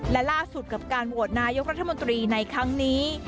และล่าสุดกับการโหวตนายกรัฐมนตรีในครั้งนี้